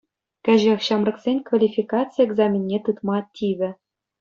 Кӗҫех ҫамӑрксен квалификаци экзаменне тытма тивӗ.